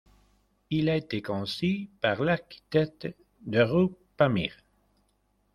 Il a été conçu par l'architecte Doruk Pamir.